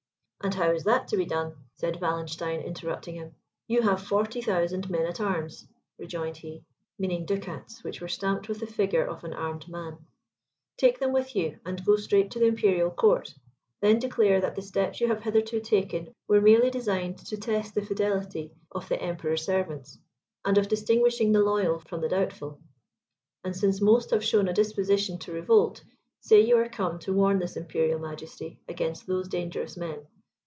"And how is that to be done?" said Wallenstein, interrupting him: "You have 40,000 men at arms," rejoined he, (meaning ducats, which were stamped with the figure of an armed man,) "take them with you, and go straight to the Imperial Court; then declare that the steps you have hitherto taken were merely designed to test the fidelity of the Emperor's servants, and of distinguishing the loyal from the doubtful; and since most have shown a disposition to revolt, say you are come to warn his Imperial Majesty against those dangerous men.